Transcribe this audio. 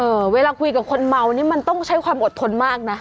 เวลาคุยกับคนเมานี่มันต้องใช้ความอดทนมากนะ